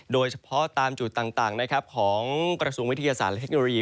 โดยเฉพาะตามจุดต่างของกระทรวงวิทยาศาสตร์และเทคโนโลยี